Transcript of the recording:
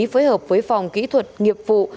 phối hợp với phòng kỹ thuật nghiệp vụ